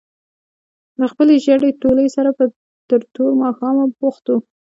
له خپلې ژېړې تولۍ سره به تر توره ماښامه بوخت وو.